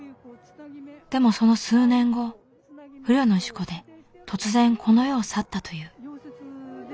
でもその数年後不慮の事故で突然この世を去ったという。